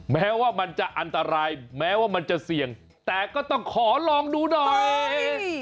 แม้ว่ามันจะอันตรายแม้ว่ามันจะเสี่ยงแต่ก็ต้องขอลองดูหน่อย